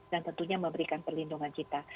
dan tentunya memberikan perlindungan kita